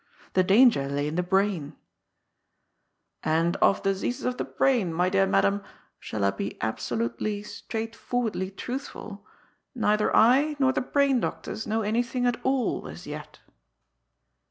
The danger lay in the brain. ^^ And of diseases of the brain, my dear madam — shall I be absolutely, straightforwardly truthful ?— neither I nor the brain doctors know anything at all as yet."